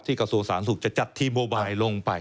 ที่กระโสสารสุขจะจัดที่โมไบล์ลงไป